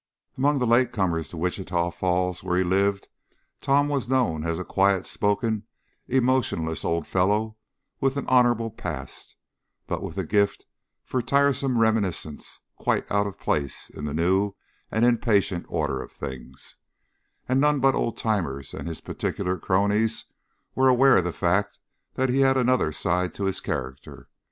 Among the late comers to Wichita Falls, where he lived, Tom was known as a quiet spoken, emotionless old fellow with an honorable past, but with a gift for tiresome reminiscence quite out of place in the new and impatient order of things, and none but old timers and his particular cronies were aware of the fact that he had another side to his character.